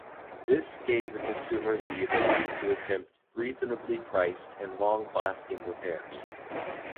This gave the consumer the ability to attempt reasonably priced and long lasting repairs.